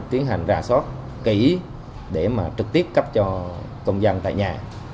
tiến hành ra soát kỹ để trực tiếp cấp cho công dân tại nhà